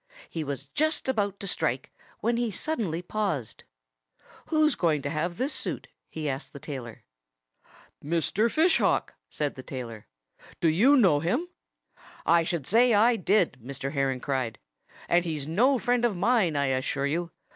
He was just about to strike, when he suddenly paused. "Who's going to have this suit?" he asked the tailor. "Mr. Fish Hawk," said the tailor. "Do you know him?" "I should say I did!" Mr. Heron cried. "And he's no friend of mine, I assure you.